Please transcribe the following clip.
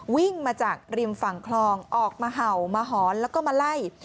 วิ่งมาจากริมฝั่งคลองออกมาเห่ามาหอนแล้วก็มาไล่